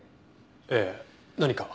ええ何か？